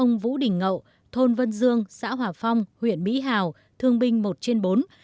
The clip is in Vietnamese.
thương binh vũ đình ngậu thôn vân dương xã hòa phong huyện mỹ hào thương binh một trên bốn